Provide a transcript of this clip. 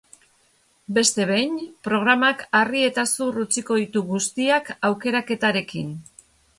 Beste behin, programak harri eta zur utziko ditu guztiak aukeraketarekin.